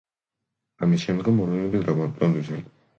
ამის შემდგომ მოვლენები დრამატულად ვითარდება.